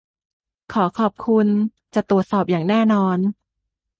ขอขอบคุณ. จะตรวจสอบอย่างแน่นอน